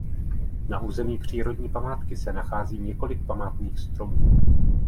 Na území přírodní památky se nachází několik památných stromů.